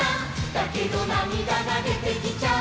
「だけどなみだがでてきちゃう」